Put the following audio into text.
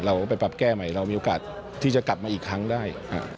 เราไปปรับแก้ใหม่เรามีโอกาสที่จะกลับมาอีกครั้งได้